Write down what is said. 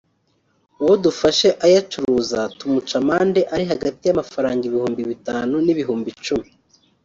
uwo dufashe ayacuruza tumuca amande ari hagati y’amafaranga ibihumbi bitanu n’ibihumbi icumi